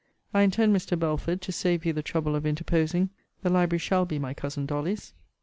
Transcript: I intend, Mr. Belford, to save you the trouble of interposing the library shall be my cousin Dolly's.